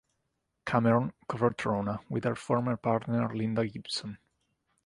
Cameron co-wrote "Rhona" with her former partner Linda Gibson.